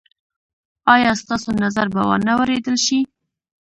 ایا ستاسو نظر به وا نه وریدل شي؟